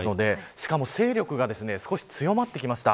しかも勢力が少し強まってきました。